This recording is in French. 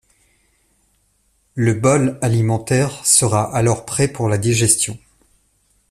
Le bol alimentaire sera alors prêt pour la digestion.